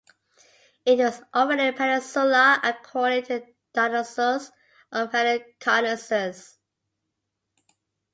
It was already a peninsula according to Dionysius of Halicarnassus.